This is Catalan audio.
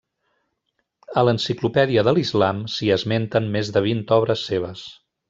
A l'Enciclopèdia de l'Islam s'hi esmenten més de vint obres seves.